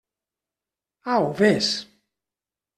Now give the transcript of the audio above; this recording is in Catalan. Au, vés.